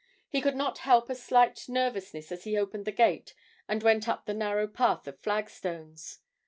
He could not help a slight nervousness as he opened the gate and went up the narrow path of flagstones.